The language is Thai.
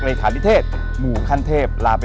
ขอบคุณพี่โจ้ด้วยครับ